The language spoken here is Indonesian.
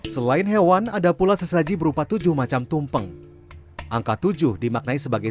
selain hewan ada pula sesaji berupa tujuh macam tumpeng angka tujuh dimaknai sebagai